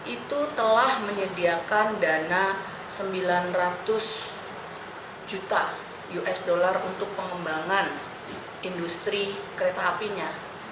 itu telah menyediakan dana sembilan ratus juta usd untuk pengembangan industri kereta apinya